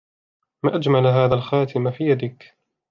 ما أجمل هذا الخاتم في يدك!